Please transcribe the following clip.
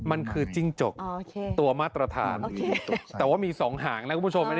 มันคือจิ้งจกตัวมาตรฐานแต่ว่ามี๒หางนะคุณผู้ชม